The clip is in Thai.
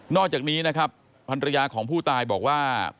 นอกจากนี้นะครับพันธุระยะของผู้ตายบอกว่า